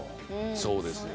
そうですよね。